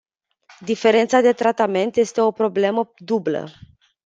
Diferența de tratament este o problemă dublă.